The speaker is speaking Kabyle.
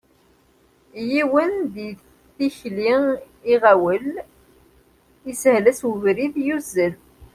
Yiwen di tikli iɣawel, ishel-as ubrid, yuzzel.